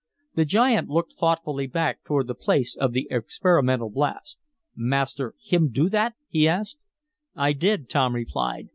The giant looked thoughtfully back toward the place of the experimental blast. "Master, him do that?" he asked. "I did," Tom replied.